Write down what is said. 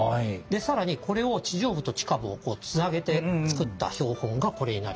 更にこれを地上部と地下部をつなげて作った標本がこれになります。